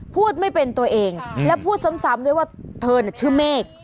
พูดไม่เป็นตัวเองและพูดซ้ำด้วยว่าเธอน่ะชื่อเมฆ